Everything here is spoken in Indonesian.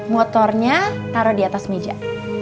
motornya taruh di atas meja